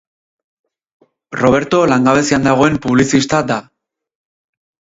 Roberto langabezian dagoen publizista da.